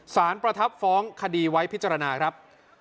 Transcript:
ประทับฟ้องคดีไว้พิจารณาครับ